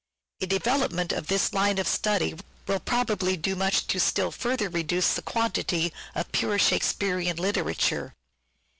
A development of this line of study will probably do much to still further reduce the quantity of pure Shakespearean literature.